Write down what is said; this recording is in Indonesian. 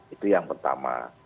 itu yang pertama